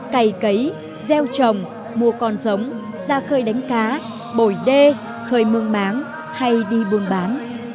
cày cấy gieo trồng mua con giống ra khơi đánh cá bổi đê khơi mương máng hay đi buôn bán